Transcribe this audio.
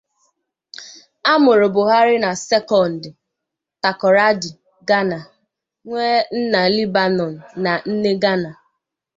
A mụrụ Buari na Sekondi-Takoradi, Ghana, nye nna Lebanon na nne Ghana.